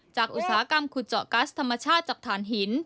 อุตสาหกรรมขุดเจาะกัสธรรมชาติจากฐานหิน